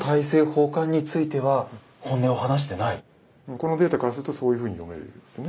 このデータからするとそういうふうに読めるんですね。